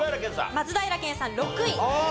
松平健さん６位。